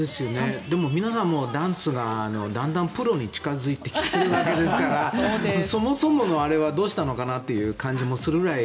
でも、皆さんダンスがだんだんプロに近付いてきているわけですからそもそものあれはどうしたのかなという感じもするぐらい